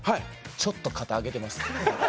ちょっと肩、上げてます。